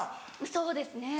そうですね。